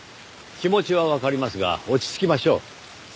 気持ちはわかりますが落ち着きましょう。